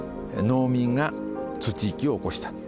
農民が土一揆を起こしたと。